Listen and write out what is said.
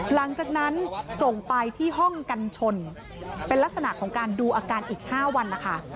หลังจากนั้นส่งไปที่ห้องกันชนเป็นลักษณะของการดูอาการอีก๕วันนะคะ